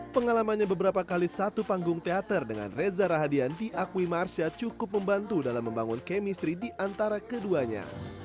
pengalamannya beberapa kali satu panggung teater dengan reza rahadian diakui marsha cukup membantu dalam membangun kemestri diantara keduanya